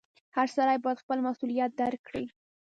• هر سړی باید خپل مسؤلیت درک کړي.